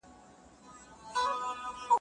د یوه شعر له پاڼې ونغاړله